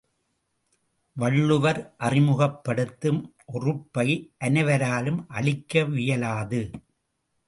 வள்ளுவர் அறிமுகப்படுத்தும் ஒறுப்பை அனைவராலும் அளிக்கவியலாது.